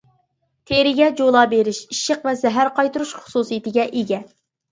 تېرىگە جۇلا بېرىش، ئىششىق ۋە زەھەر قايتۇرۇش خۇسۇسىيىتىگە ئىگە.